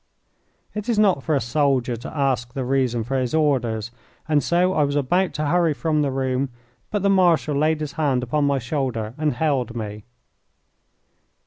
It is not for a soldier to ask the reason for his orders, and so I was about to hurry from the room, but the Marshal laid his hand upon my shoulder and held me.